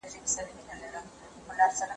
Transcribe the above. جوړي سوي دي، چي منفي اغېز یې نن سبا په